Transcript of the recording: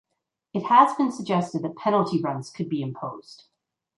It has been suggested that penalty runs could be imposed.